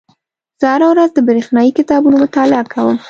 زه هره ورځ د بریښنایي کتابونو مطالعه کوم.